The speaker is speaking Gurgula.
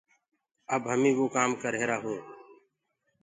اب همي وو ڪآم ڪر رهيرآ هونٚ۔